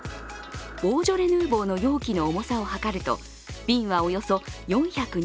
ボージョレ・ヌーボーの容器の重さを量ると瓶はおよそ４２０ｇ